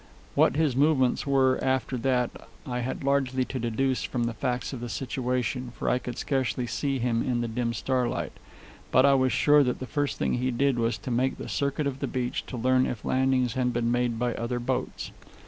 What his movements were after that I had largely to deduce from the facts of the situation, for I could scarcely see him in the dim starlight. But I was sure that the first thing he did was to make the circuit of the beach to learn if landings had been made by other boats.